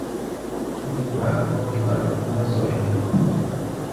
Mí kpaa gɔ́k fara gúrá zoya.